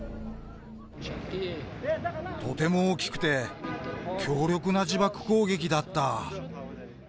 とても大きくて、強力な自爆攻撃だった。